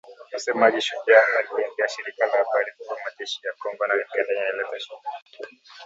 Msemaji Shujaa aliliambia shirika la habari kuwa majeshi ya Kongo na Uganda yanaleta shida